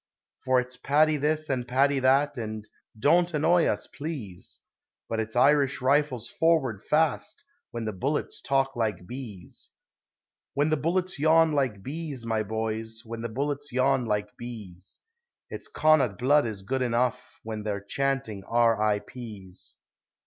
For it's Paddy this, and Paddy that, and "Don't annoy us, please!" But it's "Irish Rifles forward Fast!" when the bullets talk like bees, When the bullets yawn like bees, my boys, when the bullets yawn like bees, It's "Connaught blood is good enough" when they're chanting R.I.P's.